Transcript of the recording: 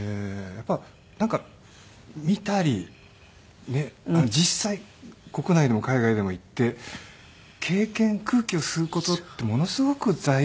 やっぱりなんか見たりねっ実際国内でも海外でも行って経験空気を吸う事ってものすごく財産に。